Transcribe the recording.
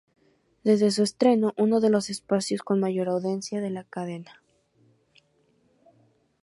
Desde su estreno, uno de los espacios con mayor audiencia de la cadena.